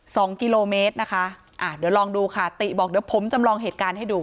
สองกิโลเมตรนะคะอ่าเดี๋ยวลองดูค่ะติบอกเดี๋ยวผมจำลองเหตุการณ์ให้ดู